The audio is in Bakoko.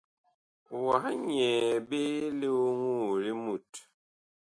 Wah nyɛɛ ɓe lioŋoo li mut.